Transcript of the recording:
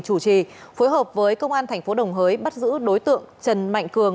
chủ trì phối hợp với công an tp đồng hới bắt giữ đối tượng trần mạnh cường